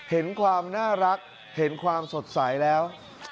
เห็นความน่ารักเห็นความสดใสแล้ว